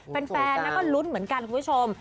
แฟนนะคะรุ่นเหมือนกันคุณผู้ชม